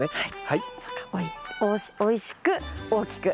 はい。